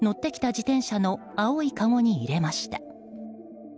自転車の青いかごに入れました。